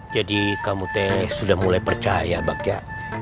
jadi kamu teh sudah mulai percaya bagja